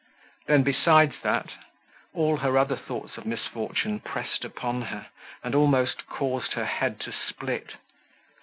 Then, besides that, all her other thoughts of misfortune pressed upon her, and almost caused her head to split.